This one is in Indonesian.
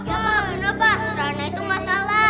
ya maksudnya pak suruhan itu masalah